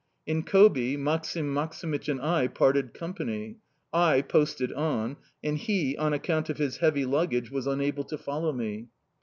In Kobi, Maksim Maksimych and I parted company. I posted on, and he, on account of his heavy luggage, was unable to follow me.